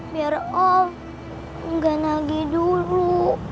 biar om gak nagih dulu